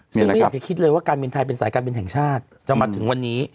ซึ่งไม่อยากจะคิดเลยว่าการบินไทยเป็นสายการบินแห่งชาติจะมาถึงวันนี้